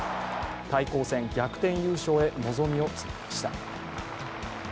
対抗戦逆転優勝へ望みをつなぎました。